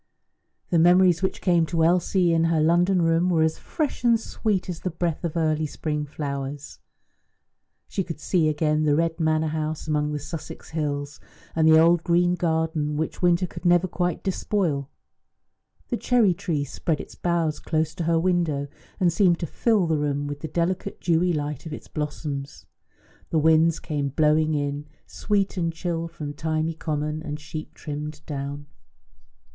The memories which came to Elsie in her London room were as fresh and sweet as the breath of early spring flowers. She could see again the red manor house among the Sussex hills, and the old green garden which winter could never quite despoil. The cherry tree spread its boughs close to her window, and seemed to fill the room with the delicate dewy light of its blossoms; the winds came blowing in, sweet and chill, from thymy common and "sheep trimmed down."